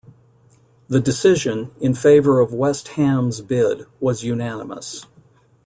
The decision, in favour of West Ham's bid, was unanimous.